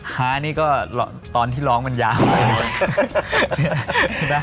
ฮานี่ก็ตอนที่ร้องมันยาว